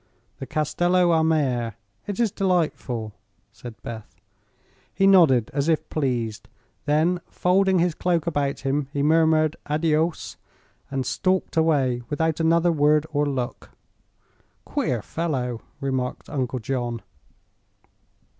"The Castello a Mare. It is delightful," said Beth. He nodded, as if pleased. Then, folding his cloak about him, he murmured "adios!" and stalked away without another word or look. "Queer fellow," remarked Uncle John.